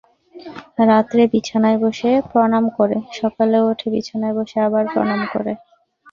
রাত্রে বিছানায় বসে প্রণাম করে, সকালে উঠে বিছানায় বসে আবার প্রণাম করে।